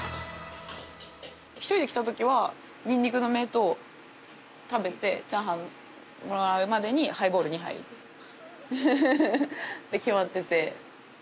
１人で来た時はにんにくの芽と食べてチャーハンもらうまでにハイボール２杯って決まってて。